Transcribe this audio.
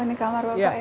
oh ini kamar bapak ya